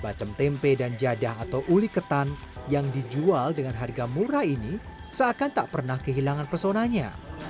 bacem tempe dan jadah atau uli ketan yang dijual dengan harga murah ini seakan tak pernah kehilangan pesonanya